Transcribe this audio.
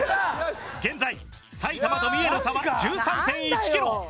現在埼玉と三重の差は１３．１キロ。